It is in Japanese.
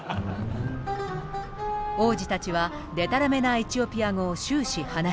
王子たちはでたらめなエチオピア語を終始話していた。